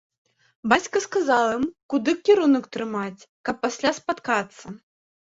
Бацька сказаў ім, куды кірунак трымаць, каб пасля спаткацца.